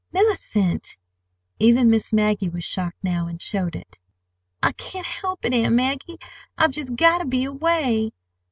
"Mellicent!" Even Miss Maggie was shocked now, and showed it. "I can't help it, Aunt Maggie. I've just got to be away!"